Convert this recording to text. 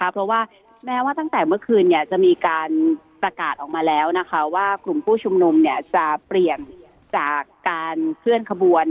เพราะว่าแม้ว่าตั้งแต่เมื่อคืนจะมีการประกาศออกมาแล้วว่ากลุ่มผู้ชุมนุมจะเปลี่ยนจากการเคลื่อนขบวน